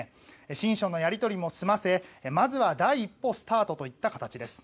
親書のやり取りも済ませまずは第一歩スタートといった形です。